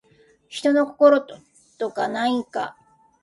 人の心とかないんか